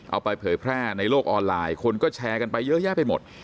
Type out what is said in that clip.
เอาไปเผยแพร่ในโลกออนไลน์คนก็แชร์กันไปเยอะแยะไปหมด